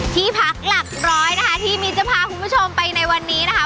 ที่พักหลักร้อยนะคะที่มิ้นจะพาคุณผู้ชมไปในวันนี้นะคะ